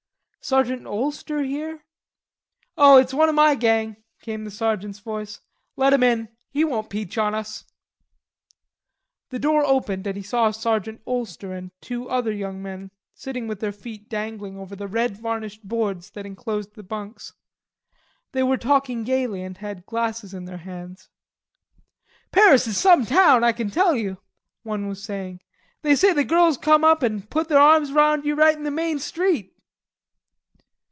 "Sergeant Olster here?" "Oh, it's one o' my gang," came the sergeant's voice. "Let him in. He won't peach on us." The door opened and he saw Sergeant Olster and two other young men sitting with their feet dangling over the red varnished boards that enclosed the bunks. They were talking gaily, and had glasses in their hands. "Paris is some town, I can tell you," one was saying. "They say the girls come up an' put their arms round you right in the main street."